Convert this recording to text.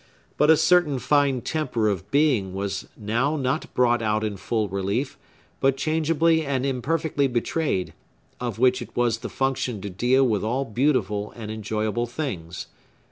But a certain fine temper of being was now not brought out in full relief, but changeably and imperfectly betrayed, of which it was the function to deal with all beautiful and enjoyable things.